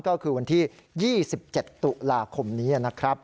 ก็คือวันที่๒๗ตุลาคมนี้นะครับ